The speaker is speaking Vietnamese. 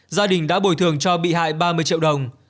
gia đình đã bồi thường cho bị hại ba mươi triệu đồng